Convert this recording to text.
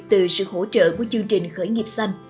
từ sự hỗ trợ của chương trình khởi nghiệp xanh